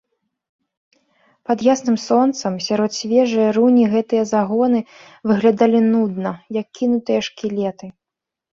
Пад ясным сонцам, сярод свежае руні гэтыя загоны выглядалі нудна, як кінутыя шкілеты.